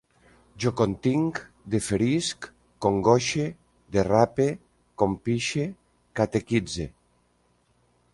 Jo continc, deferisc, congoixe, derrape, compixe, catequitze